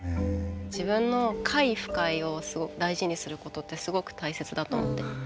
自分の快不快を大事にすることってすごく大切だと思って。